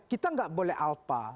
kita nggak boleh alpa